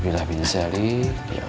tidak ada ilmu